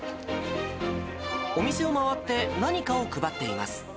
お店を回って、何かを配っています。